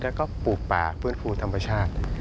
แล้วก็ปลูกป่าฟื้นฟูธรรมชาติ